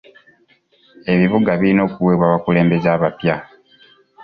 Ebibuga birina okuweebwa abakulembeze abapya .